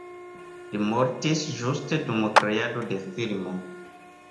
Li mortis ĝuste dum kreado de filmo.